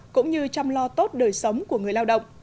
cũng như chăm lo tốt đời sống của người lao động